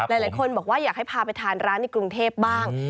หลายคนบอกว่าอยากให้พาไปทานร้านในกรุงเทพบ้าง